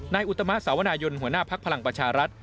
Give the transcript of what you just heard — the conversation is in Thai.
อุตมะสาวนายนหัวหน้าภักดิ์พลังประชารัฐ